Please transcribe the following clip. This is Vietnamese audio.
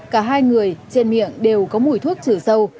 cả hai người trên miệng đều có mùi thuốc trừ sâu